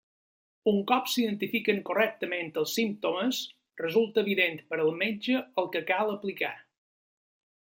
Un cop s'identifiquen correctament els símptomes, resulta evident per al metge el que cal aplicar.